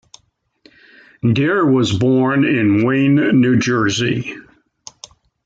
Dare was born in Wayne, New Jersey.